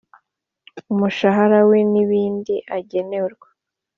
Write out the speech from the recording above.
umushahara we n ibindi agenerwa